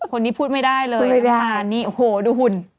คนนี้พูดไม่ได้เลยน้ำตาลนี่โหยดูหุ่น